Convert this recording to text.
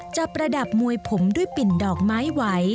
ประดับมวยผมด้วยปิ่นดอกไม้ไหว